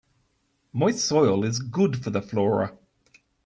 Moist soil is good for the flora.